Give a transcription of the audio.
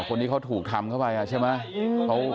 คนที่เขาถูกทำเข้าไปใช่ไหม